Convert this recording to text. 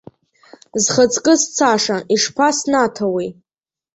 Зхаҵкы сцаша ишԥаснаҭауеи!